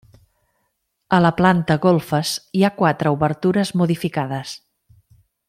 A la planta golfes hi ha quatre obertures modificades.